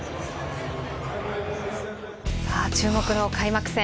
注目の開幕戦。